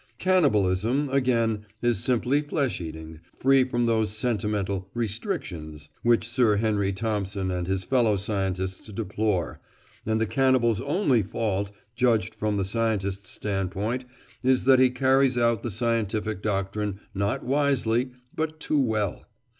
Cannibalism, again, is simply flesh eating, free from those sentimental "restrictions" which Sir Henry Thompson and his fellow scientists deplore, and the cannibal's only fault, judged from the scientist's standpoint, is that he carries out the scientific doctrine not wisely but too well.